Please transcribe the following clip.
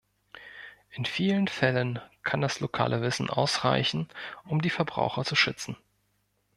In vielen Fällen kann das lokale Wissen ausreichen, um die Verbraucher zu schützen.